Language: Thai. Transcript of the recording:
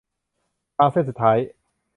ฟางเส้นสุดท้าย